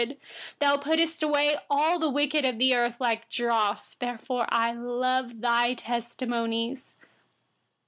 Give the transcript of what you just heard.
119You put away all the wicked of the earth like dross. Therefore I love your testimonies.